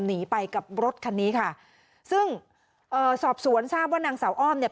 หนีไปกับรถคันนี้ค่ะซึ่งเอ่อสอบสวนทราบว่านางสาวอ้อมเนี่ย